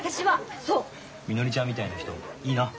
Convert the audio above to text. みのりちゃんみたいな人いいな。